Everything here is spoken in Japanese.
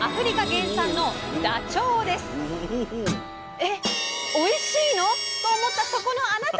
えおいしいの？と思ったそこのあなた！